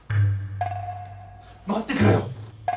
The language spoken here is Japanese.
待ってくれよ！